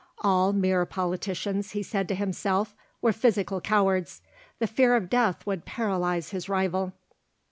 All mere politicians, he said to himself, were physical cowards; the fear of death would paralyse his rival.